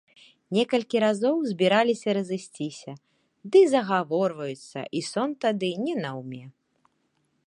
Некалькі разоў збіраліся разысціся, ды загаворацца, й сон тады не наўме.